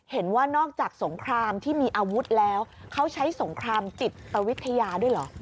เห็นว่านอกจากสงครามที่มีอาวุธแล้วเขาใช้สงครามจิตวิทยาด้วยเหรอ